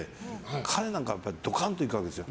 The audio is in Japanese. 彼なんかドカンといくわけですよ。